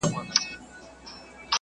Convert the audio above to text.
د کمېسیون پریکړي عمومي غونډي ته څنګه ځي؟